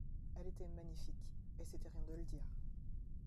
Elle était magnifique et c’était rien de le dire!